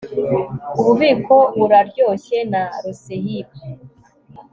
ububiko buraryoshye, na rosehip